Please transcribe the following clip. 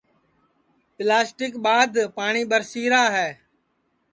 پیلاسٹیک ٻادھ پاٹؔی ٻرسی را ہے